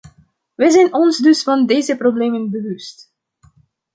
Wij zijn ons dus van deze problemen bewust.